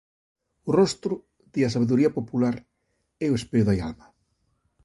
O rostro, di a sabedoría popular, é o espello da alma.